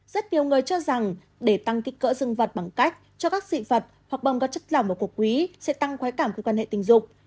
rất nhiều người cho rằng để tăng kích cỡ dương vật bằng cách cho các dị vật hoặc bồng gắt chất lỏng và cuộc quý sẽ tăng khói cảm quan hệ tình dục